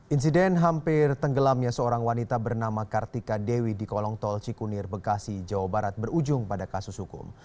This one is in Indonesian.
insiden hampir tenggelamnya seorang wanita bernama kartika dewi di kolong tol cikunir bekasi jawa barat berujung pada kasus hukum